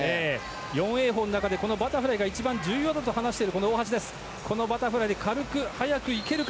４泳法の中でこのバタフライが一番重要だと話している大橋。